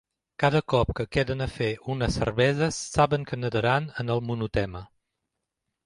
Cada cop que queden a fer unes cerveses saben que nedaran en el monotema.